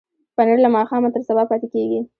پنېر له ماښامه تر سبا پاتې کېږي.